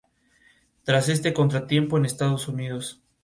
Tras este contratiempo en Estados Unidos.